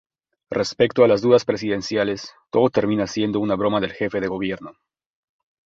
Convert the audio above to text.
Respecto a las dudas presidenciales, todo termina siendo una broma del jefe de gobierno.